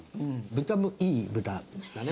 豚もいい豚だね